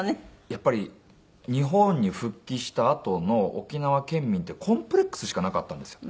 やっぱり日本に復帰したあとの沖縄県民ってコンプレックスしかなかったんですよ。